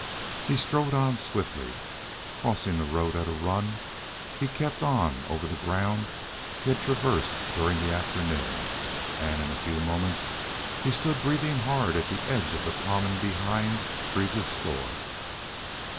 He strode on swiftly. Crossing the road at a run, he kept on over the ground he had traversed during the afternoon, and in a few moments he stood breathing hard at the edge of the common behind Greaves's store.